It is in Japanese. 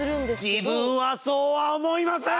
自分はそうは思いません！